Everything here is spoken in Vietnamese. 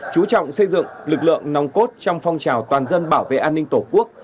chú trọng xây dựng lực lượng nòng cốt trong phong trào toàn dân bảo vệ an ninh tổ quốc